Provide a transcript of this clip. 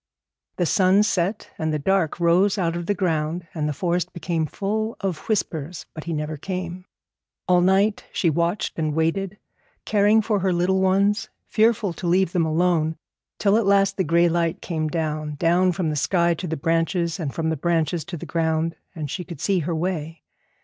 The sun set and the dark rose out of the ground, and the forest became full of whispers, but he never came. All night she watched and waited, caring for her little ones, fearful to leave them alone, till at last the gray light came down, down from the sky to the branches, and from the branches to the ground, and she could see her way.